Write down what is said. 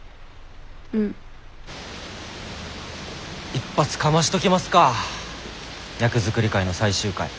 一発かましときますか役作り会の最終回。